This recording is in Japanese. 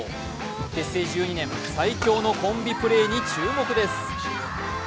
結成１２年、最強のコンビプレーに注目です。